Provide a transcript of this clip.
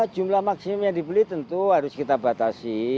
jumlah maksimum yang dibeli tentu harus kita batasi